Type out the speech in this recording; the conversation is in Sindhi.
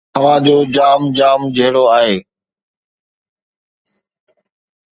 پر هوا جو جام جام جهڙو آهي